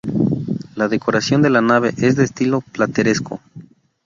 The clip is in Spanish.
La decoración de la nave es de estilo plateresco.